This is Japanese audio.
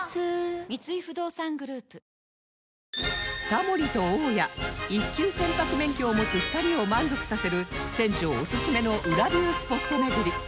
タモリと大家一級船舶免許を持つ２人を満足させる船長おすすめの裏ビュースポット巡り